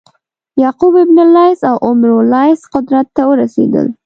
یعقوب بن لیث او عمرو لیث قدرت ته ورسېدل.